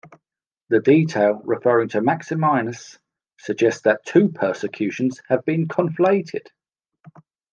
The detail referring to Maximinus suggests that two persecutions have been conflated.